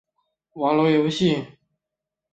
网络游戏